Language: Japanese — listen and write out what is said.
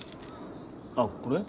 あっこれ？